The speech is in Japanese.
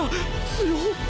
強っ！